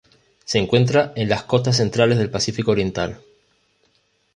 Se encuentra en las costas centrales del Pacífico oriental.